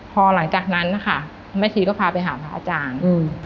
พอหลังจากนั้นนะคะแม่ชีก็พาไปหาพระอาจารย์